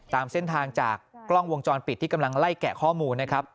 ตามเส้นทางจากกล้องวงจรปิดที่กำลังไล่แกะข้อมูลนะครับ